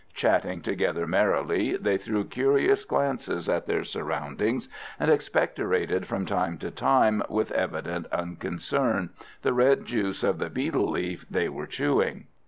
Chatting together merrily, they threw curious glances at their surroundings, and expectorated from time to time, with evident unconcern, the red juice of the betel leaf they were chewing.